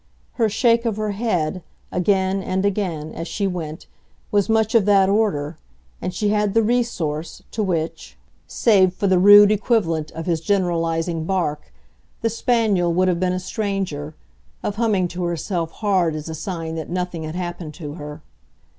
Her shake of her head, again and again, as she went, was much of that order, and she had the resource, to which, save for the rude equivalent of his generalising bark, the spaniel would have been a stranger, of humming to herself hard as a sign that nothing had happened to her.